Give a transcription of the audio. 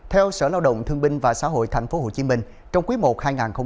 theo sở lao động thương minh và xã hội tp hcm trong quý một hai nghìn hai mươi ba